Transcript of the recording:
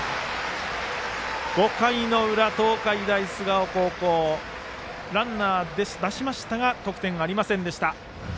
５回の裏、東海大菅生高校ランナー出しましたが得点ありませんでした。